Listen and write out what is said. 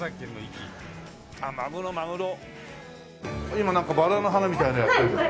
今なんかバラの花みたいなのをやってるけど。